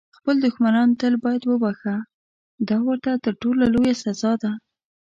خپل دښمنان تل باید وبخښه، دا ورته تر ټولو لویه سزا ده.